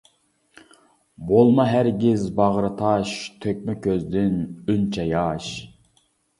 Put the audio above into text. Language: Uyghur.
بولما ھەرگىز باغرى تاش، تۆكمە كۆزدىن ئۇنچە ياش.